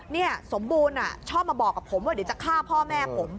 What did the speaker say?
นี่สมบูรณ์ชอบมาบอกกับผมว่าเดี๋ยวจะฆ่าพ่อแม่ผม